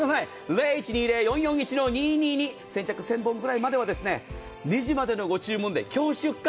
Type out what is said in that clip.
０１２０−４４１−２２２先着１０００本ぐらいまでは２時までのご注文で今日出荷。